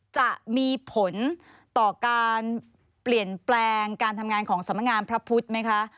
จะมีผลต่อการเปลี่ยนแปลงการทำงานของสำนักงานพระพุทธไหมคะ